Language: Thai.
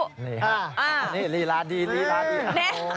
นี่ฮะนี่ลีลาดีลีลาดีครับ